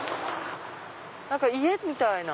何か家みたいな。